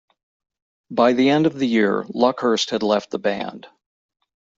By the end of the year, Luckhurst had left the band.